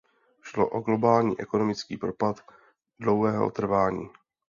Šlo o globální ekonomický propad dlouhého trvání.